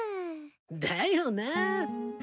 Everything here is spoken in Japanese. だよな。